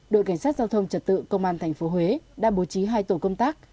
đội cảnh sát giao thông trật tự công an tp huế đã bố trí hai tổ công tác